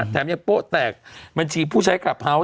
แถมยังโป๊ะแตกบัญชีผู้ใช้คลับเฮาส